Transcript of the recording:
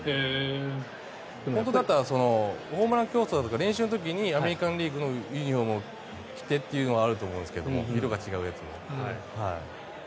本当だったらホームラン競争とか練習の時にアメリカン・リーグのユニホームを着てというのはあると思うんですけど色が違うやつを。